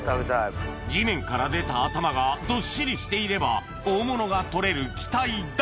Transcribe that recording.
地面から出た頭がどっしりしていれば大物が取れる期待大！